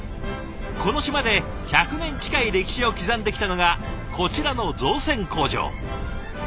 この島で１００年近い歴史を刻んできたのがこちらの造船工場。